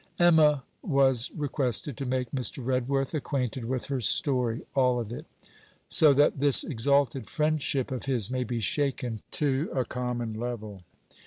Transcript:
Emma was requested to make Mr. Redworth acquainted with her story, all of it: 'So that this exalted friendship of his may be shaken to a common level.